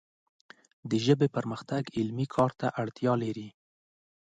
د ژبې پرمختګ علمي کار ته اړتیا لري